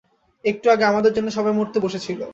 একটু আগে, আমার জন্য সবাই মরতে বসেছিলো।